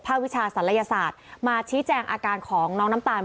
วิชาศัลยศาสตร์มาชี้แจงอาการของน้องน้ำตาล